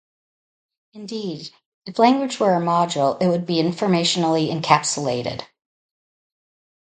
Indeed, if language were a module it would be informationally encapsulated.